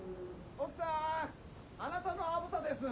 奥さんあなたの虻田です。